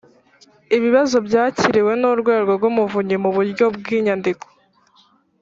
Ibibazo byakiriwe n Urwego rw Umuvunyi mu buryo bw inyandiko